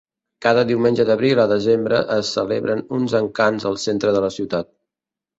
Cada diumenge d'abril a desembre es celebren uns encants al centre de la ciutat.